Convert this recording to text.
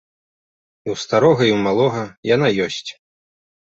І ў старога і ў малога яна ёсць.